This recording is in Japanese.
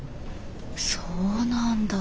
そうなんだ。